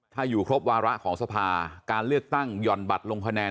ถ้าอยู่ครบวาระของสภาการเลือกตั้งหย่อนบัตรลงคะแนน